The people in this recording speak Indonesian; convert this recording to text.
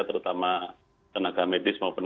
terutama tenaga medis maupun